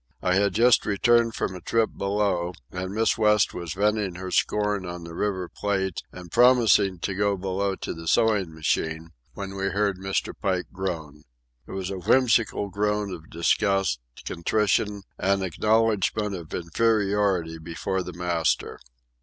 I had just returned from a trip below, and Miss West was venting her scorn on the River Plate and promising to go below to the sewing machine, when we heard Mr. Pike groan. It was a whimsical groan of disgust, contrition, and acknowledgment of inferiority before the master.